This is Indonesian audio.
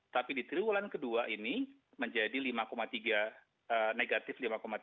tapi di triwulan kedua ini menjadi negatif lima tiga puluh dua